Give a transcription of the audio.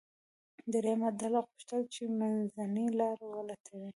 درېیمه ډله غوښتل یې منځنۍ لاره ولټوي.